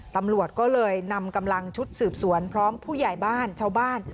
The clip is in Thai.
ตำรวจก็เลยนำกำลังชุดสืบสวนพร้อมผู้ใหญ่บ้านชาวบ้าน